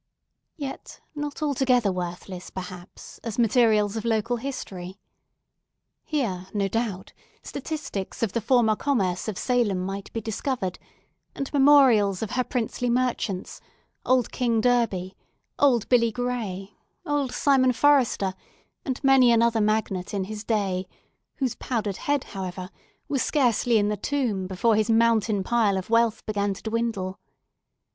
Yet not altogether worthless, perhaps, as materials of local history. Here, no doubt, statistics of the former commerce of Salem might be discovered, and memorials of her princely merchants—old King Derby—old Billy Gray—old Simon Forrester—and many another magnate in his day, whose powdered head, however, was scarcely in the tomb before his mountain pile of wealth began to dwindle.